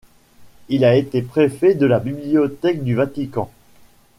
Il a été préfet de la Bibliothèque du Vatican.